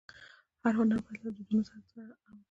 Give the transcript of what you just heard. هر هنر باید له دودونو سره ډېره همږغي ولري.